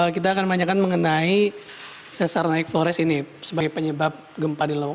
kita akan menanyakan mengenai sesar naik flores ini sebagai penyebab gempa di lombok